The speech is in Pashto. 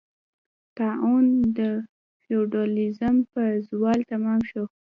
طاعون د فیوډالېزم په زوال تمام شو.